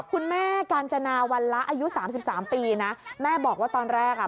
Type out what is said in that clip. คุณแม่กาญจนาวันละอายุสามสิบสามปีนะแม่บอกว่าตอนแรกอ่ะ